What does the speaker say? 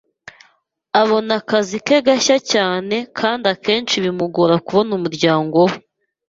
abona akazi ke gashya cyane, kandi akenshi bimugora kubona umuryango we.